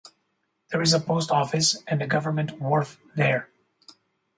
There is a post office and a government wharf there.